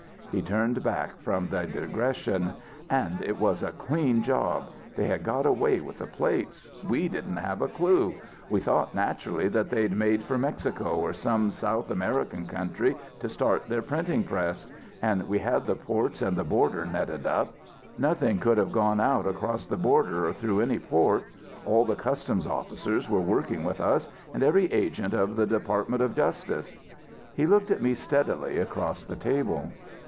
He turned back from the digression: "And it was a clean job. They had got away with the plates. We didn't have a clue. We thought, naturally, that they'd make for Mexico or some South American country to start their printing press. And we had the ports and the border netted up. Nothing could have gone out across the border or through any port. All the customs officers were working with us, and every agent of the Department of Justice." He looked at me steadily across the table.